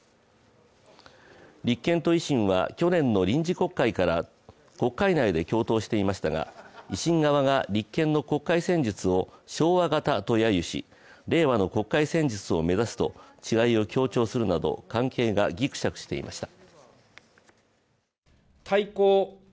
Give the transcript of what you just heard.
立憲と維新は去年の臨時国会から国会内で共闘していましたが維新側が立憲の国会戦術を昭和型とやゆし、令和の国会戦術を目指すと違いを強調するなど関係がぎくしゃくしていました。